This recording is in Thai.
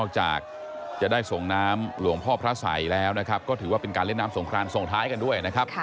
จะได้ส่งน้ำหลวงพ่อพระสัยแล้วถือว่าเป็นการเล่นน้ำสงครานส่งท้ายกันด้วย